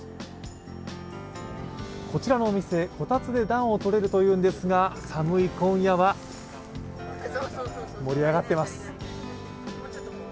こちらのお店、こたつで暖を取れるというんですが、寒い今夜は、盛り上がっています。